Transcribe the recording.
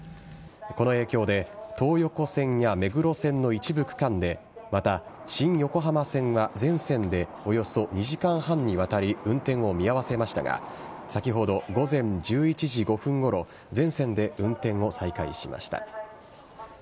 この影響で東横線や目黒線の一部区間でまた、新横浜線は全線でおよそ２時間半にわたり運転を見合わせましたが先ほど午前１１時５分ごろ全線で運転を再開しました。